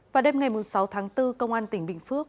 vào đêm ngày sáu tháng bốn công an tỉnh bình phước